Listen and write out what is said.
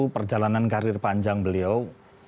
perjalanan karir panjang beliau